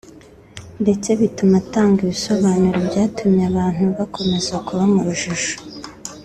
ndetse bituma batanga ibisobanuro byatumye abantu bakomeza kuba mu rujijo